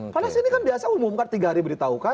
karena sih ini kan biasa umumkan tiga hari beritahu kan